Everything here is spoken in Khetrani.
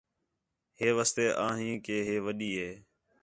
ہی واسطے آہیں کہ ہے وݙّی ہِے